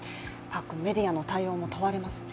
メディアの対応も問われますね。